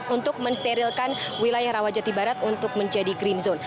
untuk mensterilkan wilayah rawajati barat untuk menjadi green zone